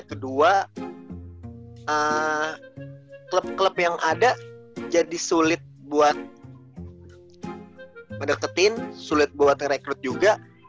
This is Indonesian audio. kedua klub klub yang ada jadi sulit buat deketin sulit buat rekrut juga